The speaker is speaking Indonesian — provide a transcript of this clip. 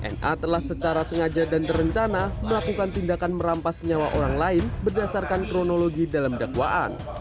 na telah secara sengaja dan terencana melakukan tindakan merampas nyawa orang lain berdasarkan kronologi dalam dakwaan